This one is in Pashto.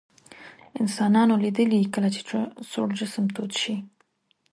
انسانانو لیدلي کله چې سوړ جسم تود شي.